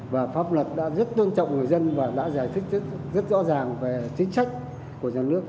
và pháp luật đã rất tôn trọng người dân và đã giải thích rất rõ ràng về chính sách của nhà nước